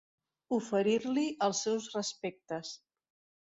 Oferir-li els seus respectes.